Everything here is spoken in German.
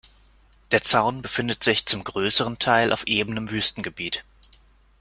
Der Zaun befindet sich zum größeren Teil auf ebenem Wüstengebiet.